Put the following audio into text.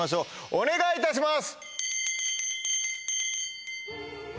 お願いいたします。